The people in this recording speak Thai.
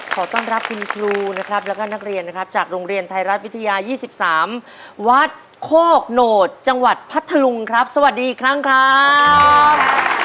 ขอต้อนรับคุณครูนะครับแล้วก็นักเรียนนะครับจากโรงเรียนไทยรัฐวิทยา๒๓วัดโคกโหนดจังหวัดพัทธลุงครับสวัสดีอีกครั้งครับ